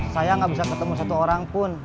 saya nggak bisa ketemu satu orang pun